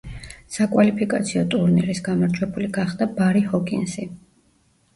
საკვალიფიკაციო ტურნირის გამარჯვებული გახდა ბარი ჰოკინსი.